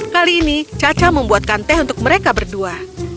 kali ini caca membuatkan teh untuk mereka berdua